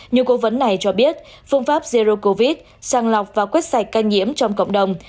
nhiều cố vấn này cho biết phương pháp zero covid sàng lọc và quét sạch ca nhiễm trong cộng đồng